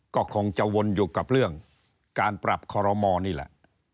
ก็คงจะวนอยู่กับเรื่องการปรับคอรมอนี่แหละ